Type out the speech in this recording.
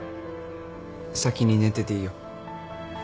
先に寝てていいよ。